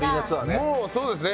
もうそうですね。